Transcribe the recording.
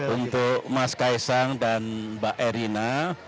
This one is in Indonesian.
untuk mas kaisang dan mbak erina